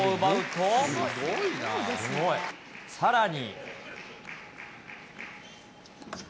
さらに。